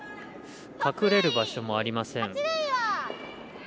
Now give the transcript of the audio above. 隠れる場所もありません。